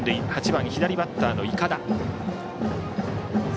８番、左バッターの筏。